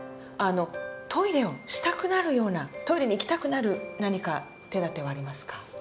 あのトイレをしたくなるようなトイレに行きたくなる何か手だてはありますか。